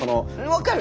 分かる？